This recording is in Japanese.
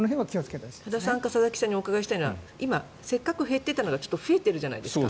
多田さんか佐々木さんに伺いたいのは今、せっかく減っていたのが増えてるじゃないですか。